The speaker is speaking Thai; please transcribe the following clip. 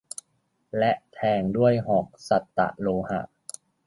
และแทงด้วยหอกสัตตโลหะ